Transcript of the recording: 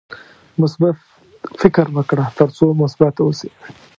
مثبت فکر وکړه ترڅو مثبت اوسې.